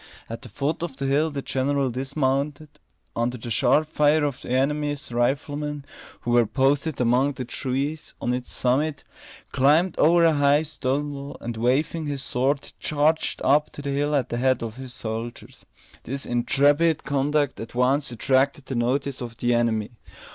At the foot of the hill the general dismounted, under the sharp fire of the enemy's riflemen, who were posted among the trees on its summit, climbed over a high stone wall, and waving his sword, charged up the hill at the head of his soldiers. This intrepid conduct at once attracted the notice of the enemy.